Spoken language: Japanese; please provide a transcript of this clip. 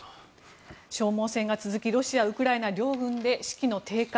消耗戦が続きロシア、ウクライナ両軍で士気の低下